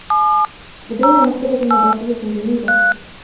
لدينا مكتبة مدرسية جميلة.